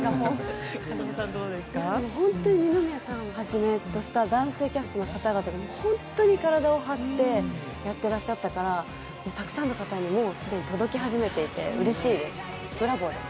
二宮さんをはじめとした男性キャストの皆さん、本当に体を張ってやっていらっしゃったからたくさんの方にもう既に届き始めていて、うれしいです。